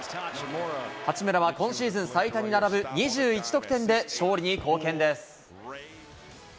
八村は今シーズン最多に並ぶ２１得点で勝利に貢献です。